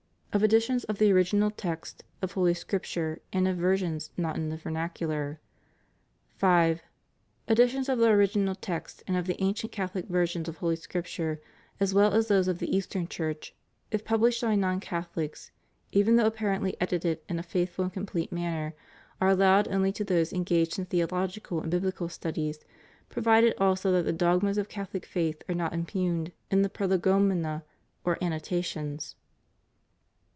Of Editions of the Original Text of Holy Scripture and of Versions not in the Vernacular. 5. Editions of the original text and of the ancient Catholic versions of Holy Scripture, as well as those of the Eastern Church, if published by non CathoHcs, even though apparently edited in a faithful and complete manner, are allowed only to those engaged in theological and biblical studies, provided also that the dogmas of Catholic faith are not impugned in the prolegomena or annotations.